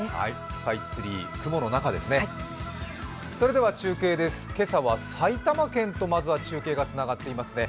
スカイツリー、雲の中ですね。